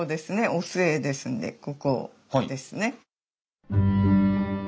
「御末」ですんでここですね。